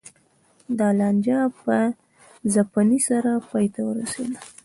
دا لانجه په ځپنې سره پای ته ورسېده